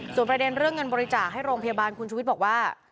ส่วนประเด็นเรื่องเงินบริจาคให้โรงพยาบาลคุณชุวิตบอกว่า